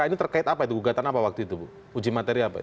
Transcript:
ini terkait apa itu gugatan apa waktu itu bu uji materi apa